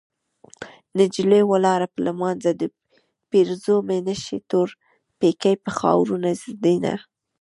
نجلۍ ولاړه په لمانځه ده پېرزو مې نشي تور پيکی په خاورو ږدينه